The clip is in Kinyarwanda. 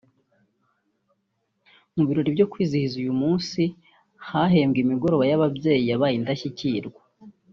Mu birori byo kwizihiza uyu munsi hahembwe imigoroba y’ababyeyi yabaye indashyikirwa